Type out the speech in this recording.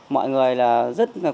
mọi người rất ngạc nhiên